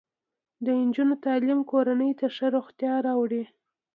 د نجونو تعلیم کورنۍ ته ښه روغتیا راوړي.